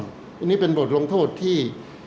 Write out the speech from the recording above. อันนี้เป็นบทลงโทษที่